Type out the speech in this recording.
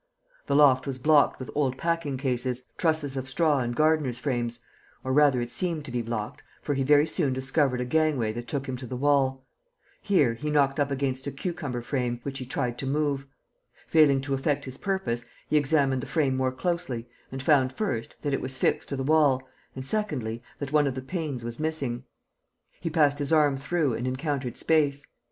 The loft was blocked with old packing cases, trusses of straw and gardener's frames, or rather it seemed to be blocked, for he very soon discovered a gangway that took him to the wall. Here, he knocked up against a cucumber frame, which he tried to move. Failing to effect his purpose, he examined the frame more closely and found, first, that it was fixed to the wall and, secondly, that one of the panes was missing. He passed his arm through and encountered space.